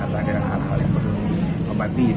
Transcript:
atau ada hal hal yang perlu dibati